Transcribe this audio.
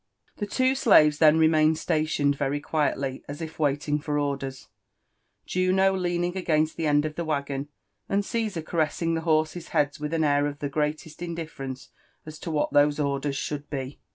The two slaves then remained stationed very quietly, as if waiting for orders; Juno leaning against the end of the waggon, and Caesar ca ressing the horses' heads with an air of the greatest indifference as to what those orders should be.